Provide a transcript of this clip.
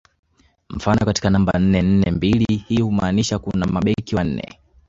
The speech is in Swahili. Mfano katika namba nne nne mbili hii humaanisha kuna mabeki wane